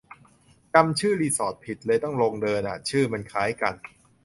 จำชื่อรีสอร์ทผิด เลยต้องลงเดินอ่ะ ชื่อมันคล้ายกัน